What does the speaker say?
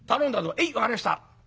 「へい分かりました。